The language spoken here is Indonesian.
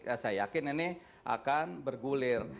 ya saya yakin ini akan bergulir